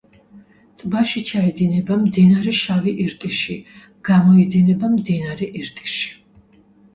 ტბაში ჩაედინება მდინარე შავი ირტიში, გამოედინება მდინარე ირტიში.